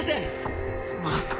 すまん。